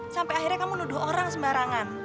sampai akhirnya kamu menuduh orang sembarangan